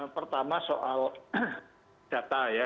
pertama soal data ya